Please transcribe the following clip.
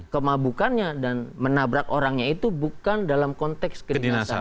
kemabukannya dan menabrak orangnya itu bukan dalam konteks keringan